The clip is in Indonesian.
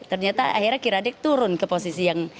ternyata akhirnya kiradek turun ke posisi yang